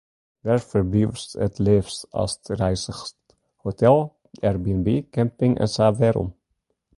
Wêr ferbliuwst it leafst ast reizgest, hotel, airbnb, camping, en sa en wêrom?